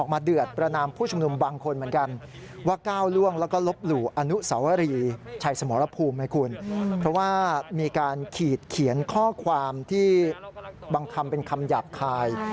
เพราะว่ามีการขีดเขียนข้อความที่บางคำเป็นคำหยาบคาย